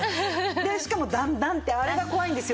でしかも段々ってあれが怖いんですよ。